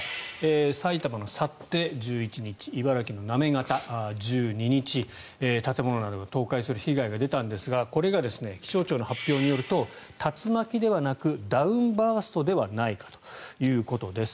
埼玉の幸手、１１日茨城の行方、１２日建物などが倒壊する被害が出たんですがこれが気象庁の発表によると竜巻ではなくダウンバーストではないかということです。